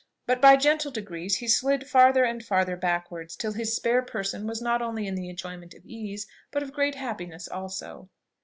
But by gentle degrees he slid farther and farther backwards, till his spare person was not only in the enjoyment of ease, but of great happiness also.